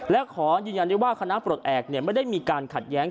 และขอยืนยันได้ว่าคณะปลดแอบไม่ได้มีการขัดแย้ง